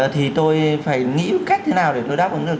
thì tôi phải nghĩ cách thế nào để nó đáp ứng được